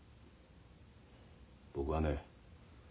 僕はね